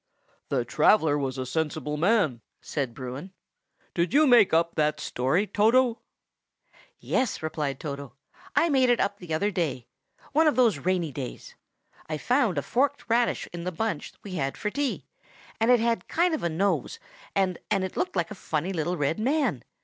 "The traveller was a sensible man," said Bruin. "Did you make up that story, Toto?" "Yes," replied Toto. "I made it up the other day,—one of those rainy days. I found a forked radish in the bunch we had for tea, and it had a kind of nose, and looked just like a funny little red man.